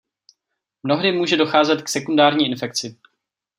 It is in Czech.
Mnohdy může docházet k sekundární infekci.